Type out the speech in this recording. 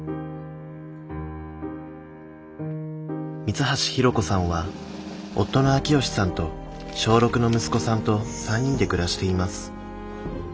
三橋博子さんは夫の朗喜さんと小６の息子さんと３人で暮らしています。